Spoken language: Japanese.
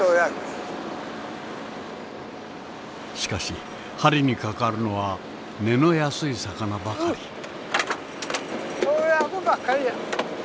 しかし針にかかるのは値の安い魚ばかり。